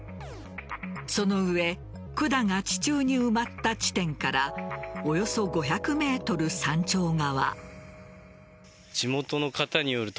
その上管が地中に埋まった地点からおよそ５００ｍ山頂側。